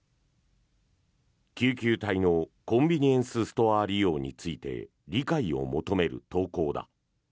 救急隊のコンビニエンスストア利用について、理解を求める投稿だ。